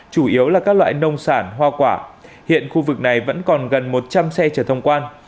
chủ yếu là các loại nông sản hoa quả hiện khu vực này vẫn còn gần một trăm linh xe chở thông quan